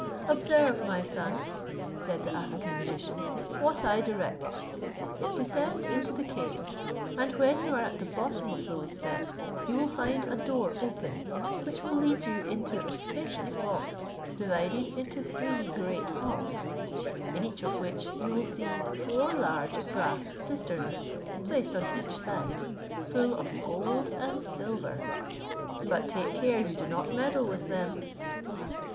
"Observe, my son," said the African magician, "what I direct. Descend into the cave, and when you are at the bottom of those steps you will find a door open, which will lead you into a spacious vault, divided into three great halls, in each of which you will see four large brass cisterns placed on each side, full of gold and silver; but take care you do not meddle with them.